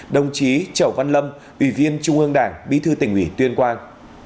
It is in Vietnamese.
đồng chí chẩu văn lâm ủy viên trung ương đảng bí thư tỉnh ủy tuyên quang